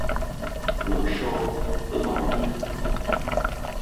Nổi sô, tui bỏ đi không nói